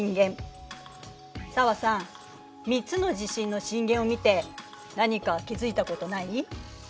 紗和さん３つの地震の震源を見て何か気付いたことない？